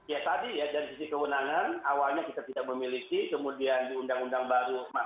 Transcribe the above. ya tadi ya dari sisi kewenangan